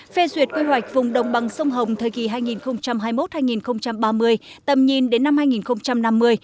phê duyệt quy hoạch vùng đồng bằng sông hồng thời kỳ hai nghìn hai mươi một hai nghìn ba mươi tầm nhìn đến năm hai nghìn năm mươi